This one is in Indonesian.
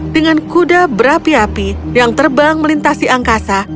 dengan kuda berapi api yang terbang melintasi angkasa